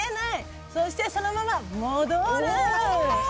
そしてそのまま戻る。